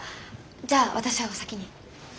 じゃあ私はお先に。